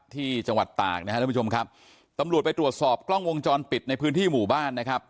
ที่จังหวัดตากนะครับท่านผู้ชมครับตำรวจไปตรวจสอบกล้องวงจรปิดในพื้นที่หมู่บ้านนะครับ